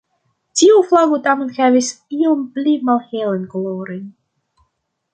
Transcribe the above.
Tiu flago tamen havis iom pli malhelajn kolorojn.